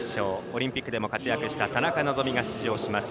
オリンピックでも活躍した田中希実が出場します。